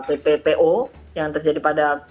tppo yang terjadi pada